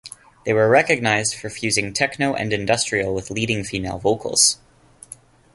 They were recognized for fusing techno and industrial with leading female vocals.